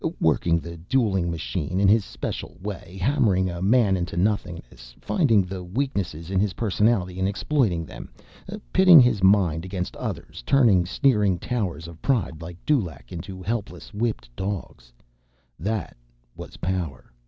Working the dueling machine in his special way, hammering a man into nothingness, finding the weaknesses in his personality and exploiting them, pitting his mind against others, turning sneering towers of pride like Dulaq into helpless whipped dogs—that was power.